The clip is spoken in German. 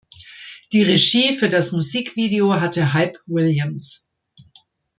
Die Regie für das Musikvideo hatte Hype Williams.